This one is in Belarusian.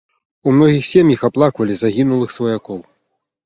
У многіх сем'ях аплаквалі загінулых сваякоў.